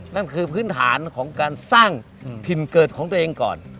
นั่นคือพื้นฐานของการสร้างถิ่นเกิดของตัวเองก่อน